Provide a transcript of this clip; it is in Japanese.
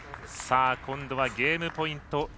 今度はゲームポイント